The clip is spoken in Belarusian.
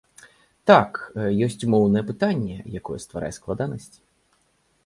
Так, ёсць моўнае пытанне, якое стварае складанасці.